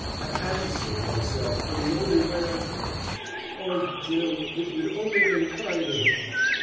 I had to save myself—in the only way I could. Oh, Jim, if you'd only been kinder!"